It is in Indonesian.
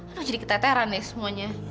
aduh jadi keteteran nih semuanya